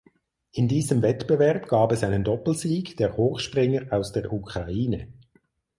In diesem Wettbewerb gab es einen Doppelsieg der Hochspringer aus der Ukraine.